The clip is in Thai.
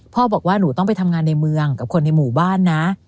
บอกว่าหนูต้องไปทำงานในเมืองกับคนในหมู่บ้านนะ